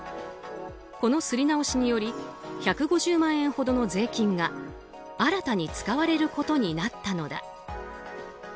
この刷り直しにより１５０万円ほどの税金が新たに使われることになったのだ。